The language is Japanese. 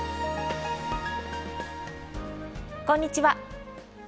こんにちは。